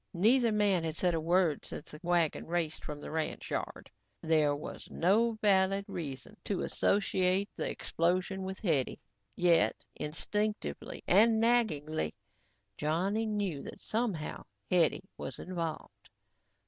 Neither man had said a word since the wagon raced from the ranch yard. There was no valid reason to associate the explosion with Hetty, yet instinctively and naggingly, Johnny knew that somehow Hetty was involved.